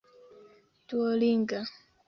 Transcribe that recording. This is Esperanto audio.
duolinga